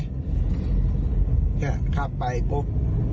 เนี่ยขับไปปุ๊บ